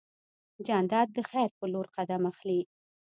جانداد د خیر په لور قدم اخلي.